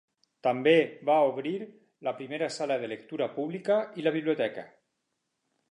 També va obrir la primera Sala de Lectura Pública i la Biblioteca.